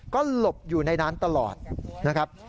ก็หลบอยู่ในนั้นตลอดนะครับ